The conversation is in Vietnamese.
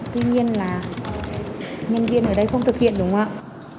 tuy nhiên là nhân viên ở đây không thực hiện đúng không ạ